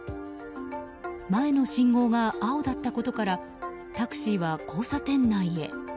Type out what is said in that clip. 前の信号が青だったことからタクシーは交差点内へ。